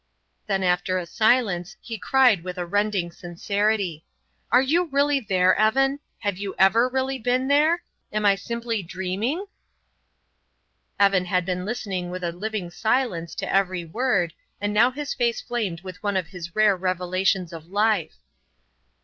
Then after a silence he cried with a rending sincerity: "Are you really there, Evan? Have you ever been really there? Am I simply dreaming?" MacIan had been listening with a living silence to every word, and now his face flamed with one of his rare revelations of life.